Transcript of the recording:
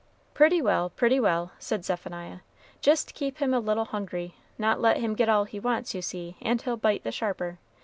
"Pretty well, pretty well!" said Zephaniah; "jist keep him a little hungry; not let him get all he wants, you see, and he'll bite the sharper.